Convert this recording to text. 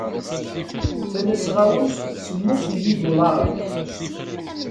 Ttalaseɣ-awen semmus n yidulaṛen.